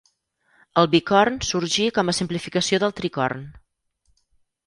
El bicorn sorgí com a simplificació del tricorn.